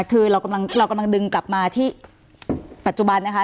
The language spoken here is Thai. คือเรากำลังดึงกลับมาที่ปัจจุบันนะคะ